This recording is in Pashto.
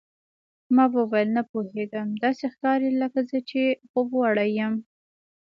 ما وویل، نه پوهېږم، داسې ښکاري لکه زه چې خوبوړی یم.